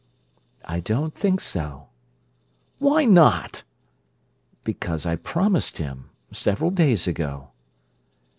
"I don't think so." "Why not?" "Because I promised him. Several days ago."